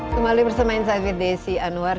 kembali bersama insight video si anwar